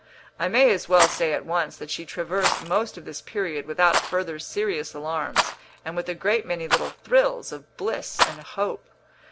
I may as well say at once that she traversed most of this period without further serious alarms and with a great many little thrills of bliss and hope.